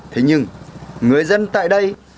thế nhưng người dân tại đây